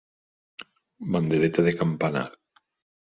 Bandereta de campanar.